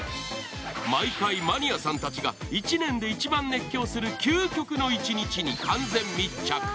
毎回、マニアさんたちが１年で一番熱狂する究極の一日に完全密着。